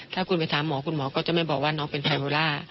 ถ้าคุณไปถามหมอคุณหมอก็จะไม่บอกว่าน้องเป็นไฮโมล่า